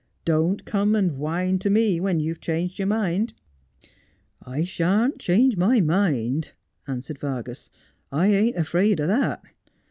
Don't come and whine to me when you've changed your mind.' ' I shan't change my mind,' answered Vargas. ' I ain't afraid o' that.